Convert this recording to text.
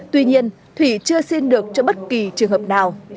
tuy nhiên thủy chưa xin được cho bất kỳ trường hợp nào